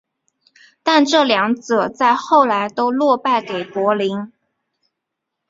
但这两者在后来都落败给柏林。